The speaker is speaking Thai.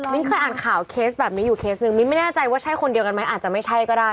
เคยอ่านข่าวเคสแบบนี้อยู่เคสหนึ่งมิ้นไม่แน่ใจว่าใช่คนเดียวกันไหมอาจจะไม่ใช่ก็ได้